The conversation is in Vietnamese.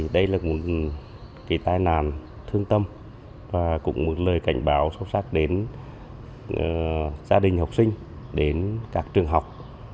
đây là một tai nạn thương tâm và cũng một lời cảnh báo sâu sắc đến gia đình học sinh đến các trường học